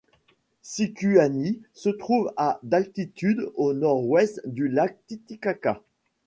Sicuani se trouve à d'altitude, au nord-ouest du lac Titicaca.